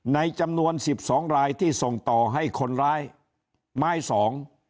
ในจำนวนสิบสองรายที่ส่งต่อให้คนร้ายไม้สอง